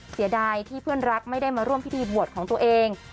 เสียดายที่เพื่อนรักไม่ได้มาร่วมพิธีบวชของตัวเอง